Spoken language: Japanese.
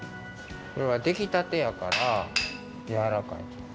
これはできたてやからやわらかい。